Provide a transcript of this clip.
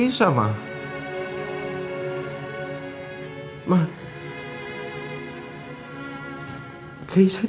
oh gak maksudnya pissed